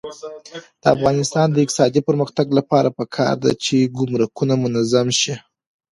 د افغانستان د اقتصادي پرمختګ لپاره پکار ده چې ګمرکونه منظم شي.